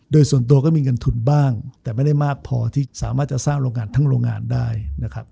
โดยส่วนตัวก็มีเงินทุนบ้างแต่ไม่ได้มากพอที่สามารถจะสร้างโรงงานทั้งโรงงานได้นะครับ